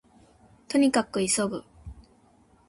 兎に角急ぐ